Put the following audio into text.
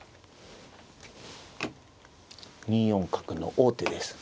２四角の王手です。